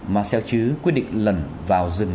marcel chứ quyết định lần vào rừng